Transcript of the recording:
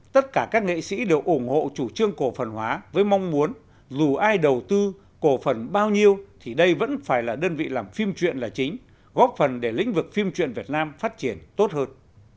tất cả các nghệ sĩ đều ủng hộ chủ trương cổ phần hóa với mong muốn dù ai đầu tư cổ phần bao nhiêu thì đây vẫn phải là đơn vị làm phim chuyện là chính góp phần để lĩnh vực phim truyện việt nam phát triển tốt hơn